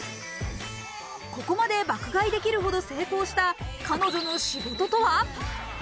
ここまで爆買いできるほど成功した彼女の仕事とは？